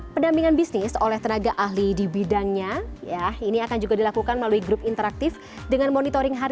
pendampingan bisnis oleh tenaga ahli di bidangnya ya ini akan juga dilakukan melalui grup interaktif dengan monitoring harga